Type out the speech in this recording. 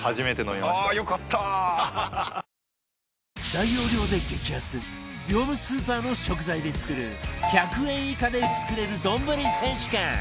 大容量で激安業務スーパーの食材で作る１００円以下で作れる丼選手権